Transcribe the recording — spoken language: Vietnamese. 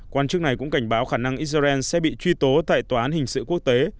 quan chức này cũng cảnh báo khả năng israel sẽ bị truy tố tại tòa án hình sự quốc tế